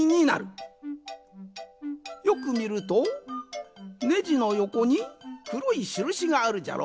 よくみるとネジのよこにくろいしるしがあるじゃろ？